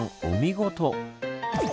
お見事！